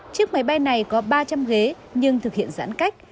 chiếc máy bay này có ba trăm linh ghế nhưng thực hiện giãn cách